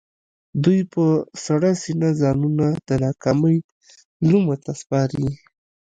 دوی په سړه سينه ځانونه د ناکامۍ لومو ته سپاري.